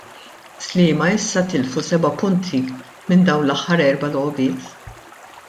Sliema issa tilfu seba' punti minn dawn l-aħħar erba' logħbiet.